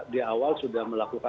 di awal sudah melakukan